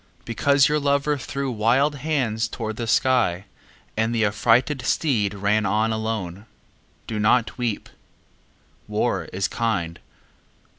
Because your lover threw wild hands toward the sky And the affrighted steed ran on alone, Do not weep. War is kind.